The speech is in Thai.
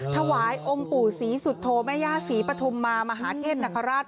ถวายองค์ปู่ศรีสุโธแม่ย่าศรีปฐุมมามหาเทพนคราช